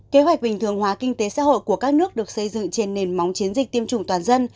kế hoạch bình thường hóa kinh tế xã hội của các nước được xây dựng trên nền móng chiến dịch tiêm chủng toàn dân